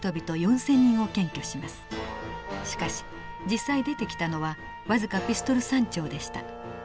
しかし実際出てきたのは僅かピストル３丁でした。